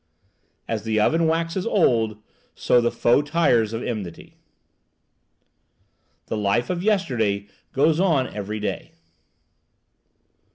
"As the oven waxes old, so the foe tires of enmity." "The life of yesterday goes on every day."